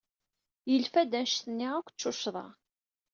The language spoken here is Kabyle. Yelfa-d anect-nni akk d tuccḍa.